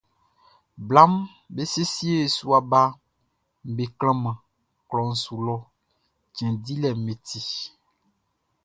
Blaʼm be siesie sua baʼm be klanman klɔʼn su lɔ cɛn dilɛʼm be ti.